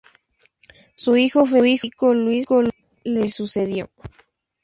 Su hijo Federico Luis le sucedió.